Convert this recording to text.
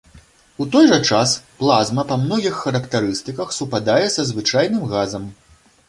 У той жа час, плазма па многіх характарыстыках супадае са звычайным газам.